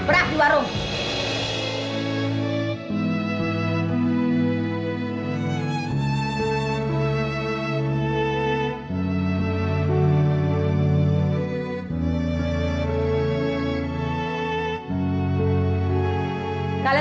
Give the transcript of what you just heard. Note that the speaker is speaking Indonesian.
saya mau makan pak